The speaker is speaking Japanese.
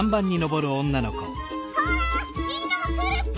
ほらみんなもくるッピ！